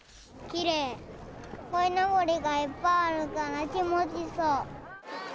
こいのぼりがいっぱいあるから、気持ちそう。